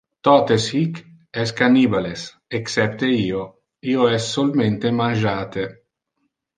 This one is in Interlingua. Totes hic es cannibales, excepte io, io es solmente mangiate.